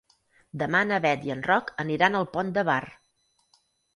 Demà na Bet i en Roc aniran al Pont de Bar.